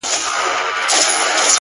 • د آتشي غرو د سکروټو د لاوا لوري؛